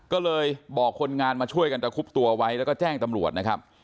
ก็เลยบอกคนงานมาช่วยกันตะคุบตัวไว้แล้วก็แจ้งตำรวจนะครับ